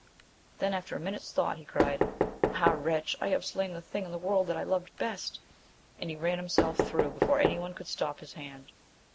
Then, after a minute's thought, he cried. Ah, wretch ! I have slain the thing in the world that I loved best ! and he ran himself through before any one could stop his hand.